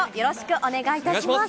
お願いします。